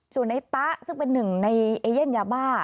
ส่วนในตะซึ่งเป็นหนึ่งในเอเย่นยาบ้า